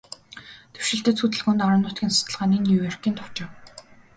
Дэвшилтэт хөдөлгөөнд, орон нутгийн судалгааны Нью-Йоркийн товчоо